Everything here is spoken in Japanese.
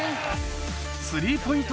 スリーポイント